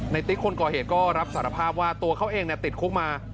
ติ๊กคนก่อเหตุก็รับสารภาพว่าตัวเขาเองติดคุกมา